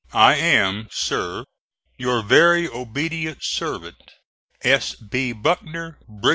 I am, sir, Your very ob't se'v't, S. B. BUCKNER, Brig.